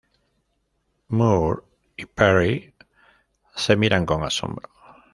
Moore y Perry se miran con asombro.